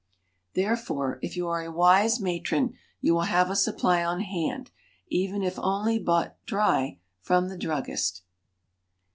Therefore if you are a wise matron you will have a supply on hand, even if only bought dry from the druggist.